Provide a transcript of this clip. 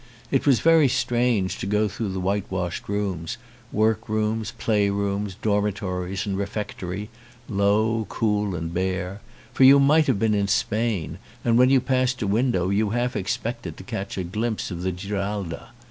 It was very strange to go through the whitewashed rooms, work rooms, playrooms, dormitories, and refec tory, low, cool, and bare ; for you might have been ,in Spain, and when you passed a window you half expected to catch a glimpse of the Giralda.